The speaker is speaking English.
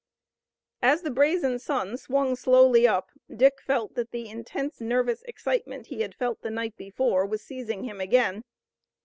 As the brazen sun swung slowly up Dick felt that the intense nervous excitement he had felt the night before was seizing him again.